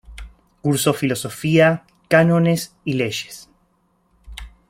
Curso filosofía, cánones y leyes.